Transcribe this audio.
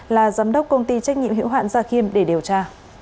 là giám đốc công ty trách nhiệm hữu hoạn gia khiêm để điều tra